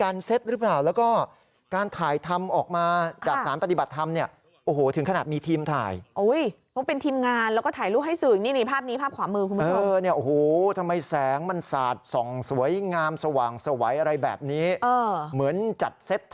เรามีภาพนั้นไหมฮะ